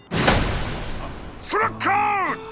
ストラックアウッ！